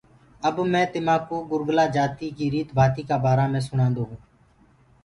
اب مي تمآڪوُ گُرگُلآ جآتيٚ ڪي ريت ڀآتيٚ ڪآ بآرآ مي سُڻاندو هونٚ۔